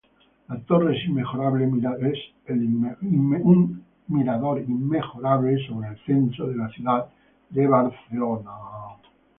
La torre es inmejorable mirador sobre el centro de la ciudad de Barcelona.